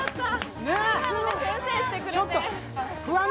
先生してくれて。